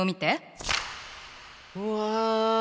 うわ！